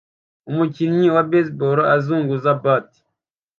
Umukinnyi wa baseball azunguza bat